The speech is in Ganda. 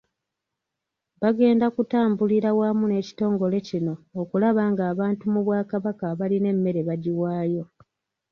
Bagenda kutambulira wamu n’ekitongole kino okulaba ng’abantu mu Bwakabaka abalina emmere bagiwaayo .